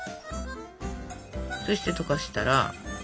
そして溶かしたら。